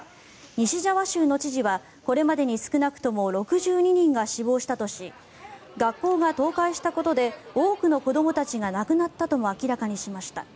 西ジャワ州の知事はこれまでに少なくとも６２人が死亡したとし学校が倒壊したことで多くの子どもたちが亡くなったとも明らかにしました。